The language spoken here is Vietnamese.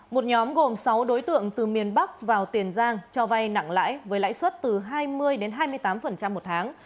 một nhóm gồm sáu đối tượng từ miền bắc vào tiền giang cho vay nặng lãi với lãi suất từ hai mươi đến hai mươi tám một tháng